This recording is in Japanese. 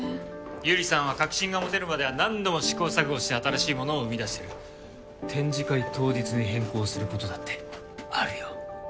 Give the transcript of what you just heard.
百合さんは確信が持てるまでは何度も試行錯誤して新しいものを生み出してる展示会当日に変更することだってあるよ